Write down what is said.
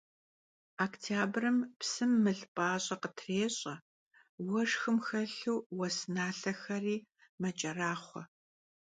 Voktyabrım psım mıl p'aş'e khıtrêş'e, vueşşxım xelhu vues nalhexeri meç'eraxhue.